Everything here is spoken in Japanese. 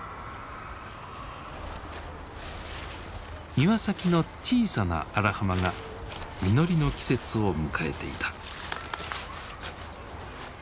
庭先の小さな荒浜が実りの季節を迎えていた。